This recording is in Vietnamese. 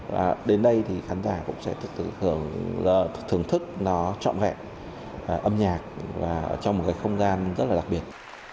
và đến đây thì khán giả cũng sẽ thưởng thức nó trọng vẹn âm nhạc trong một cái không gian rất là đặc biệt